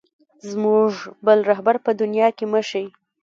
زموږ بل رهبر په دنیا کې مه شې.